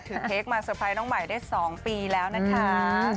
เค้กมาเตอร์ไพรส์น้องใหม่ได้๒ปีแล้วนะคะ